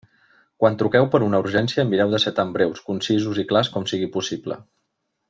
Quan truqueu per una urgència, mireu de ser tan breus, concisos i clars com sigui possible.